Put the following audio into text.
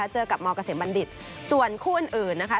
เจอกับมเกษมบัณฑิตส่วนคู่อื่นนะคะ